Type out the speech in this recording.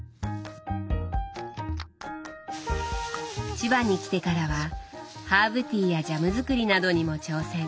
千葉に来てからはハーブティーやジャム作りなどにも挑戦。